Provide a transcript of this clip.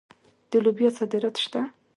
د لوبیا صادرات شته.